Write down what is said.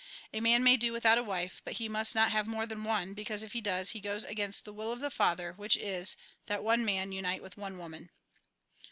A man may do without a wife, but he must not have more than one, because if he does, he goes against the will of the Father, which is, that one man unite with one woman.